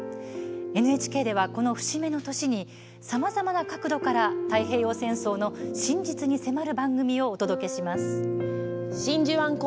ＮＨＫでは、この節目の年にさまざまな角度から太平洋戦争の真実に迫る番組をお届けします。